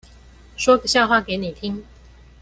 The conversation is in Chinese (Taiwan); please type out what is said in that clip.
說個笑話給你聽